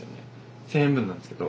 １，０００円分なんですけど。